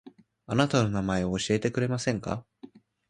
あなたの名前を教えてくれませんか